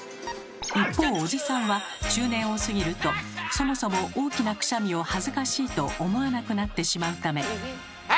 一方おじさんは中年を過ぎるとそもそも「大きなくしゃみは恥ずかしい」と思わなくなってしまうため。